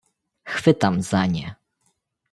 "Chwytam za nie."